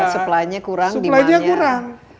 supply nya kurang demand nya